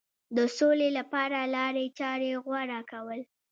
د سولې لپاره لارې چارې غوره کول.